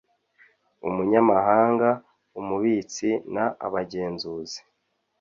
umunyamabanga umubitsi n abagenzuzi